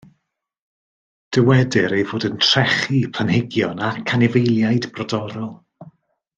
Dywedir ei fod yn trechu planhigion ac anifeiliaid brodorol.